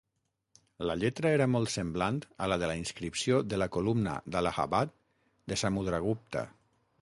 La lletra era molt semblant a la de la inscripció de la columna d'Allahabad de Samudragupta.